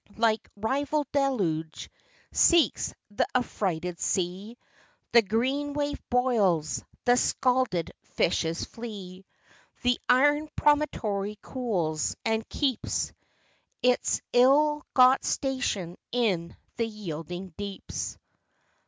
Like rival deluge, seeks th' affrighted sea; The green wave boils, the scalded fishes flee. The iron promontory cools, and keeps Its ill got station in the yielding deeps.